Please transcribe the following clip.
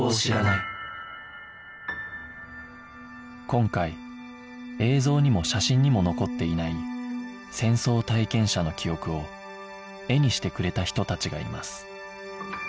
今回映像にも写真にも残っていない戦争体験者の記憶を絵にしてくれた人たちがいます